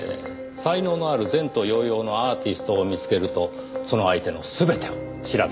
才能のある前途洋々のアーティストを見つけるとその相手の全てを調べ上げる。